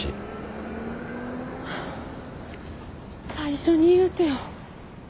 最初に言うてよ。